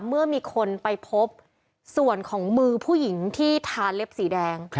เมื่อมีคนไปพบส่วนของมือผู้หญิงที่ทาเล็บสีแดง